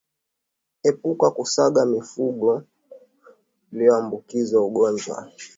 Epuka kugusa mifugo iliyoambukizwa ugonjwa